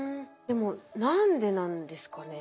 でも何でなんですかね？